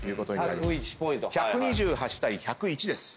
１２８対１０１です。